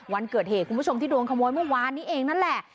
วันเกิดเหตุคุณผู้ชมที่โดนขโมยเมื่อวานนี้เองนั่นแหละ